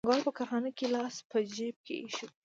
پانګوال په کارخانه کې لاس په جېب کې ایښی وي